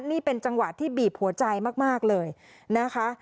นี่เป็นจังหวะที่บีบหัวใจมากเลยนะคะ